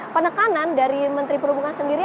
penekanan dari menteri perhubungan sendiri